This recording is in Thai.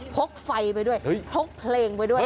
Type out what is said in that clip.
พกไฟไปด้วยพกเพลงไปด้วย